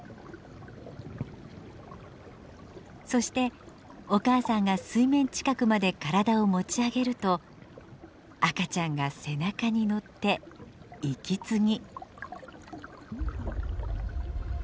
そしてお母さんが水面近くまで体を持ち上げると赤ちゃんが背中に乗って息継ぎ。